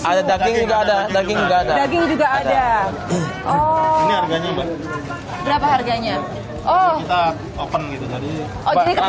ada daging daging juga ada oh ini harganya berapa harganya oh kita open gitu tadi oh jadi